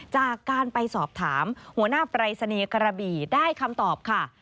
จากการไปสอบถามหัวหน้าปรายศนีย์กระบี่ได้คำตอบค่ะ